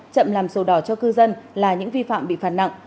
chậm làm sổ đỏ cho cư dân là những vi phạm bị phạt nặng